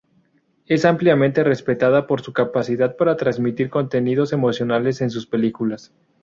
Es ampliamente respetada por su capacidad para transmitir contenidos emocionales en sus películas.